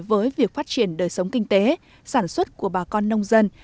với việc phát triển đời sống kinh tế sản xuất của bà con nông dân